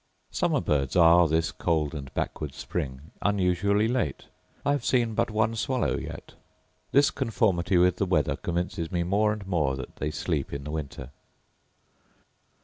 Summer birds are, this cold and backward spring, unusually late: I have seen but one swallow yet. This conformity with the weather convinces me more and more that they sleep in the winter.